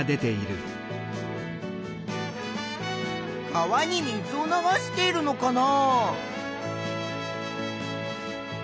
川に水を流しているのかな？